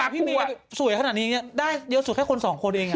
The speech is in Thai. พี่เมียสวยขนาดนี้ได้เยอะสุดแค่คนสองคนเอง